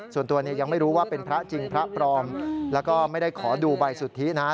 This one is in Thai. ส่วนตัวเนี่ยยังไม่รู้ว่าเป็นพระจริงพระปลอมแล้วก็ไม่ได้ขอดูใบสุทธินะ